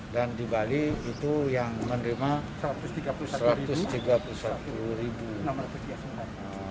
dan di bali itu yang menerima